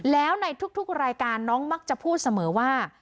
แล้วในทุกรายการน้องมักจะพูดเสมอว่า